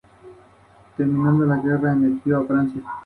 Estudió en Tarbes y Toulouse, y vivió un año en España.